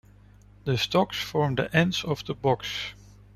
The stocks form the ends of the box.